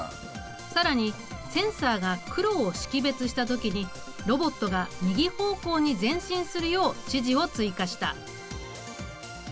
更にセンサーが黒を識別した時にロボットが右方向に前進するよう指示を追加した。